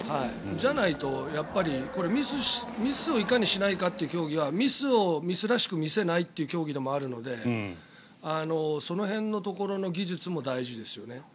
じゃないと、これミスをいかにしないかっていう競技はミスをミスらしく見せないという競技でもあるのでその辺のところの技術も大事ですよね。